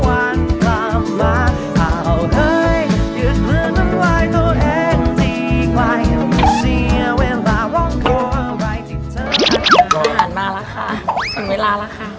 อาหารมาแล้วคะถึงเวลาแล้วคะ